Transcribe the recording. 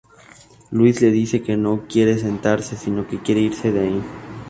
Luis le dice que no quiere sentarse, sino que quiere irse de ahí.